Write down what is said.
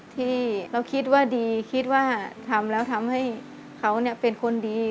ที่เราคิดว่าดีคิดว่าทำแล้วทำให้เขาเป็นคนดี